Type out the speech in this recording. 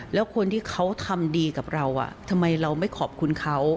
แล้วคนที่เขาทำดีกับเราทำไมเราไม่ขอบคุณเขา